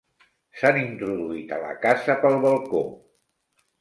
S'han introduït a la casa pel balcó.